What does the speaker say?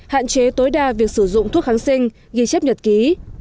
hạn chế tối đa việc sử dụng thuốc kháng sinh ghi chép nhật ký